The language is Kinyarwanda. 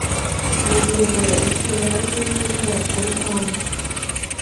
Ingingo ya inshingano z inteko rusange